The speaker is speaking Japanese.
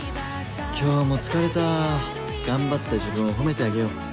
今日も疲れた頑張った自分を褒めてあげよう」。